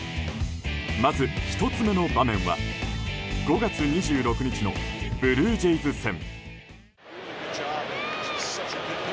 まず１つ目の場面は５月２６日のブルージェイズ戦。